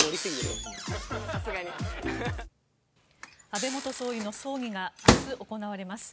安倍元総理の葬儀が明日行われます。